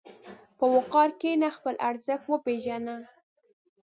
په وقار کښېنه، خپل ارزښت وپېژنه.